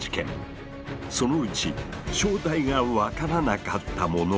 そのうち正体が分からなかったものが。